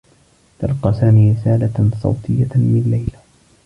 تلقّى سامي رسالة صوتيّة من ليلى.